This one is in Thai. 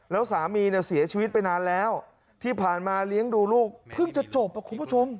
แล้วสามีเนี่ยเสียชีวิตไปนานแล้วที่ผ่านมาเลี้ยงดูลูกเพิ่งจะจบคุณผู้ชม